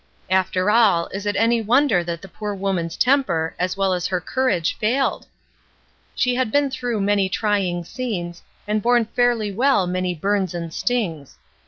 After all, is it any wonder that the poor woman's temper, as well as her courage, failed? She had been through many trying scenes, and borne fairly well many burns and stings.